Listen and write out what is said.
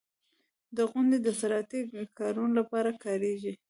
• غونډۍ د زراعتي کارونو لپاره کارېږي.